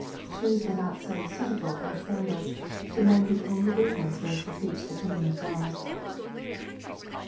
Shoes were not so suitable as sandals to men whose only business was to preach the kingdom of GK>d.